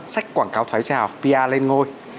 sách quảng cáo thoái trào pr lên ngôi